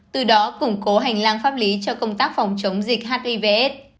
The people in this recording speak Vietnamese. từ đó củng cố hành lang pháp lý cho công tác phòng chống dịch hiv aids